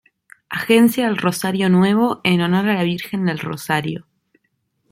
Agencia del Rosario Nuevo en honor a la Virgen del Rosario.